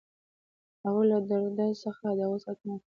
هغوی له رودز څخه د هغو ساتنه کوله.